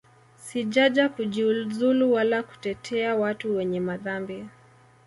Sijaja kujiuzulu wala kutetea watu wenye madhambi